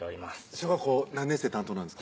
小学校何年生担当なんですか？